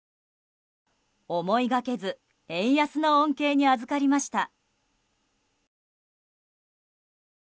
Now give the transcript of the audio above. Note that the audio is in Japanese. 思いがけず円安の恩恵にあずかりました。